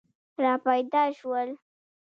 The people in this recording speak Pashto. را پیدا شول.